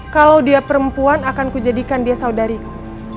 kalau dia perempuan akan ku jadikan dia saudariku